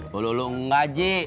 bulu bulu enggak ji